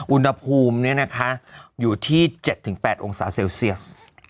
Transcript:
อุณหภูมิอยู่ที่๗๘องศาเซลเซียส